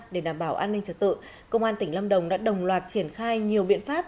để đảm bảo an ninh trật tự công an tỉnh lâm đồng đã đồng loạt triển khai nhiều biện pháp